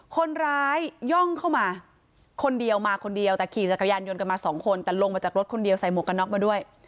ย่องเข้ามาคนเดียวมาคนเดียวแต่ขี่จักรยานยนต์กันมาสองคนแต่ลงมาจากรถคนเดียวใส่หมวกกันน็อกมาด้วย